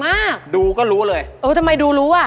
เคียงมากดูก็รู้เลยเออทำไมดูอ่ะ